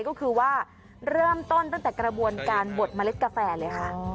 ก็คือว่าเริ่มต้นตั้งแต่กระบวนการบดเมล็ดกาแฟเลยค่ะ